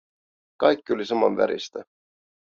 kaikki oli samanväristä.